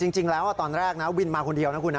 จริงแล้วตอนแรกนะวินมาคนเดียวนะคุณนะ